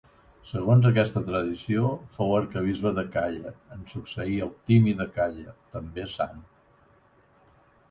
Segons aquesta tradició, fou arquebisbe de Càller en succeir Eutimi de Càller, també sant.